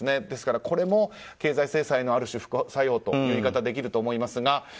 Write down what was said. ですから、これも経済制裁のある種、副作用という言い方ができると思います。